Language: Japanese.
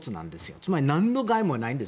つまり何の害もないんです。